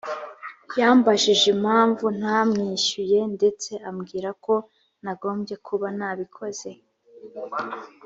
yambajije impamvu ntamwishyuye ndetse ambwira ko nagombye kuba nabikoze